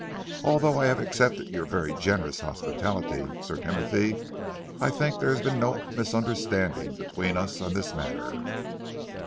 Although I have accepted your very generous hospitality, Sir Timothy, I think there has been no misunderstanding between us on this matter."